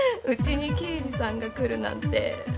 うちに刑事さんが来るなんて